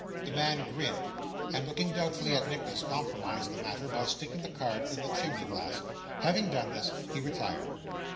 The man grinned, and, looking doubtfully at Nicholas, compromised the matter by sticking the card in the chimney glass. Having done this, he retired.